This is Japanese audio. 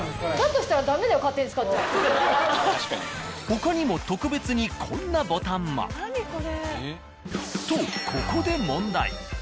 ［他にも特別にこんなボタンも］［とここで問題］